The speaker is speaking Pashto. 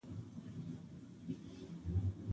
خلک جومات ته تلل او لمونځ یې کاوه.